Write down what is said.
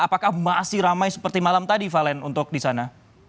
apakah masih ramai seperti malam tadi valen untuk di sana